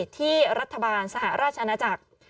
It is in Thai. ที่รัฐบาลสหราชอาณาจักร